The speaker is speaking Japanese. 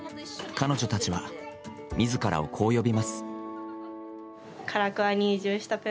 彼女たちは自らを、こう呼びます。